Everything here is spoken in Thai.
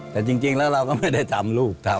แต่จริงแล้วเราก็ไม่ได้ทำลูกทำ